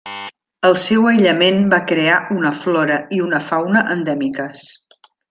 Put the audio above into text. El seu aïllament va crear una flora i una fauna endèmiques.